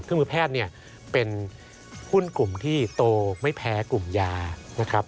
เครื่องมือแพทย์เป็นหุ้นกลุ่มที่โตไม่แพ้กลุ่มยานะครับ